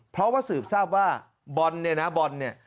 เพราะว่าสืบทราบว่าบอลเนี่ยนะบอลเนี่ย